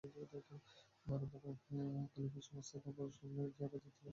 বারবার করিয়া কালীপদ সমস্ত কাপড় সবলে ঝাড়া দিতে লাগিল, নোট বাহির হইল না।